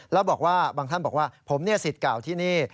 แล้วบอกว่าบางท่านบอกว่าผมเนี่ยสิทธิ์เก่าที่นี่